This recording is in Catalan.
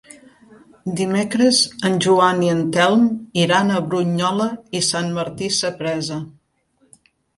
Dimecres en Joan i en Telm iran a Brunyola i Sant Martí Sapresa.